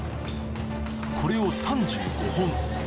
これを３５本